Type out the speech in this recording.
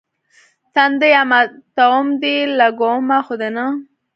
تنديه ماتوم دي، لګومه خو دې نه.